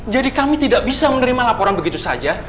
jadi kami tidak bisa menerima laporan begitu saja